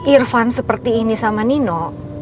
irfan seperti ini sama nino